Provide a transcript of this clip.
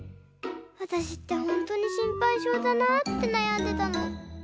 わたしってほんとに心配性だなってなやんでたの。